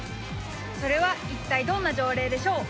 それは一体どんな条例でしょう？